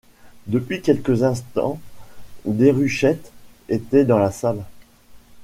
Depuis quelques instants Déruchette était dans la salle.